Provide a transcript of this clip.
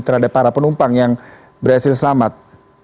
terhadap para penumpang yang berhasil selamat